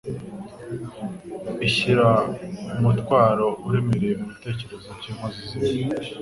Ishyira umutwaro uremereye mu bitekerezo by'inkozi z'ibibi,